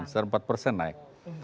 sekarang empat persen naik